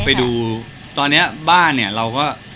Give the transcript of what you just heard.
ไปดูตอนนี้บ้านเนี่ยเราก็